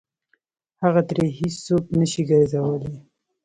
هغه ترې هېڅ څوک نه شي ګرځولی.